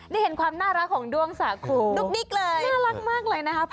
ได้เห็นความน่ารักของด้วงสาคูดุ๊กดิ๊กเลยน่ารักมากเลยนะครับ